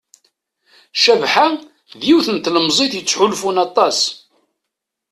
Cabḥa d yiwet n tlemẓit yettḥulfun aṭas.